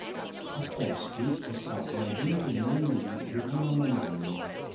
A questi è stato aggiunto il nome di Girolamo Nanni.